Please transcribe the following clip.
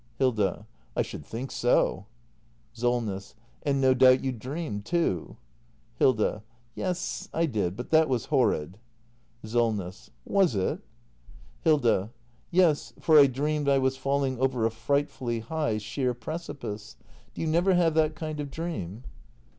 Hilda. I should think so. Solness. And no doubt you dreamed, too. Hilda. Yes, I did. But that was horrid. Solness. Was it? Hilda. Yes, for I dreamed I was falling over a frightfully high, sheer precipice. Do you never have that kind of dream